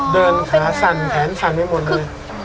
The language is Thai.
เดินสัดสั่นแผ่นสั่นไปหมดด้วย